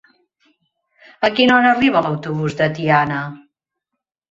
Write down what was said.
A quina hora arriba l'autobús de Tiana?